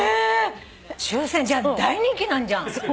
じゃあ大人気なんじゃん。